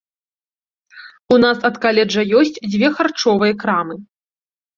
У нас ад каледжа ёсць дзве харчовыя крамы.